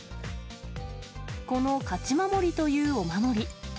この勝守というお守り。